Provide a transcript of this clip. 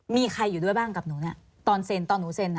มีใครอยู่ด้วยบ้างกับหนูเนี่ยตอนเซ็นตอนหนูเซ็น